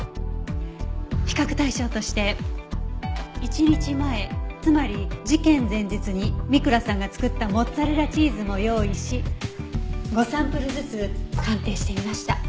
比較対象として１日前つまり事件前日に三倉さんが作ったモッツァレラチーズも用意し５サンプルずつ鑑定してみました。